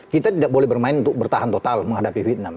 kita tidak boleh bermain untuk bertahan total menghadapi vietnam